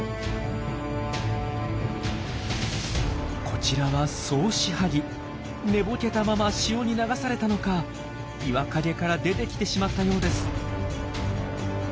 こちらは寝ぼけたまま潮に流されたのか岩陰から出てきてしまったようです。